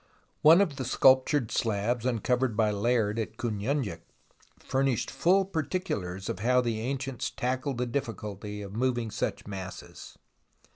One of the sculptured slabs uncovered by Layard at Kouyunjik, furnished full particulars of how the ancients tackled the difficulty of moving such masses.